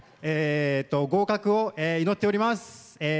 合格を祈っております。